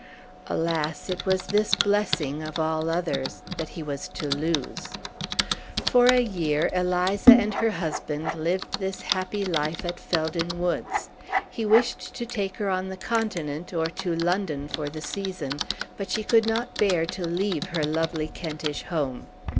Alas! it was this blessing, of all others, that he was to lose. For a year Eliza and her husband lived this happy life at Felden Woods. He wished to take her on the Continent, or to London for the season; but she could not bear to leave her lovely Kentish home.